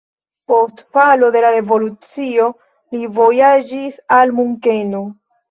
Post falo de la revolucio li vojaĝis al Munkeno.